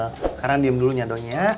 sekarang diam dulunya doi ya